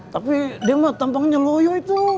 tapi dia mah tampaknya loyo itu